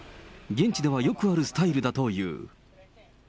現地ではよくあるスタイルだという。